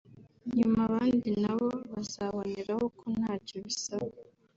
nyuma abandi na bo bazaboneraho ko ntacyo bisaba